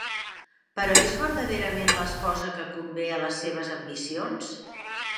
Però és verdaderament l'esposa que convé a les seves ambicions?